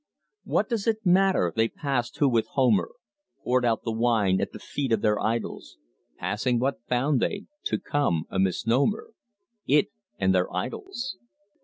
What does it matter! They passed who with Homer Poured out the wine at the feet of their idols: Passing, what found they? To come a misnomer, It and their idols?